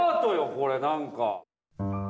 これ何か。